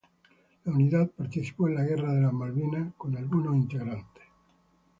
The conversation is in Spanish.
La unidad participó en la guerra de las Malvinas con algunos integrantes.